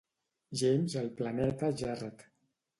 James al planeta Jarret.